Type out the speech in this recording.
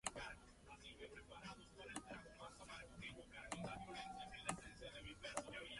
Éste es independiente del principal y no son considerados "vórtices de succión".